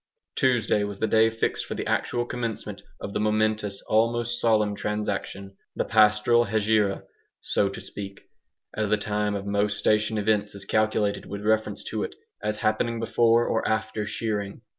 Tuesday was the day fixed for the actual commencement of the momentous, almost solemn transaction the pastoral Hegira, so to speak, as the time of most station events is calculated with reference to it, as happening before or after shearing.